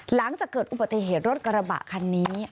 หลังจากเกิดอุบัติเหตุรถกระบะคันนี้